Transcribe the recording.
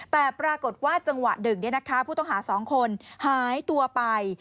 แต่ปรากฏว่าจังหวะหนึ่งผู้ต้องหา๒คนหายตัวไป